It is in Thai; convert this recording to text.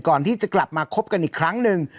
ก่อนที่จะกลับมาคบกันอีกครั้งหนึ่ง